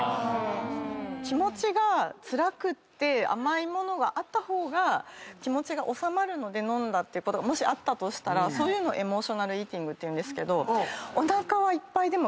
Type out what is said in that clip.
気持ちがつらくって甘い物があった方が気持ちが収まるので飲んだってこともしあったとしたらそういうのをエモーショナルイーティングっていうんですけど。